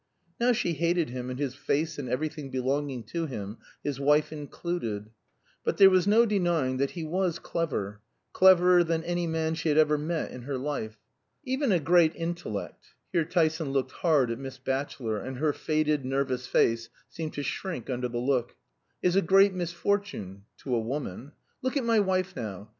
Now she hated him and his face and everything belonging to him, his wife included. But there was no denying that he was clever, cleverer than any man she had ever met in her life. "Even a great intellect" here Tyson looked hard at Miss Batchelor, and her faded nervous face seemed to shrink under the look "is a great misfortune to a woman. Look at my wife now.